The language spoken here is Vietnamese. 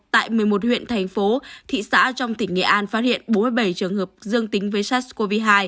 tại một mươi một huyện thành phố thị xã trong tỉnh nghệ an phát hiện bốn mươi bảy trường hợp dương tính với sars cov hai